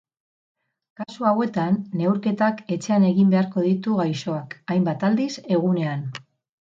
Kasu hauetan neurketak etxean egin beharko ditu gaixoak, hainbat aldiz egunean.